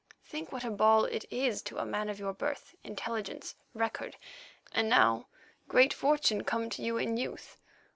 Think what a ball it is to a man of your birth, intelligence, record, and now, great fortune come to you in youth.